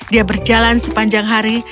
dia berjalan sepanjang hari